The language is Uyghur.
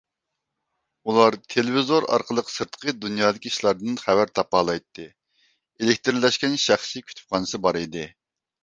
ئۇلار تېلېۋىزور ئارقىلىق سىرتقى دۇنيادىكى ئىشلاردىن خەۋەر تاپالايتتى ئېلېكترلەشكەن شەخسىي كۇتۇپخانىسى بار ئىدى.